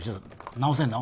直せんの？